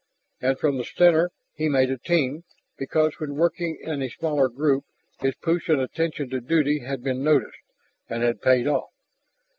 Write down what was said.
And from the center he made a Team, because when working in a smaller group his push and attention to duty had been noticed and had paid off.